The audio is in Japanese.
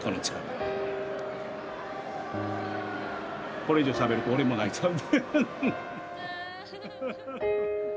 これ以上しゃべると俺も泣いちゃう。